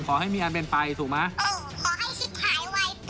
ขอให้มีอันเป็นไปถูกไหม